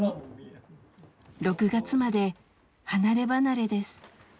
６月まで離れ離れです。